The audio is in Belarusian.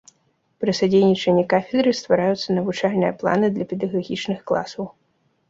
Пры садзейнічанні кафедры ствараюцца навучальныя планы для педагагічных класаў.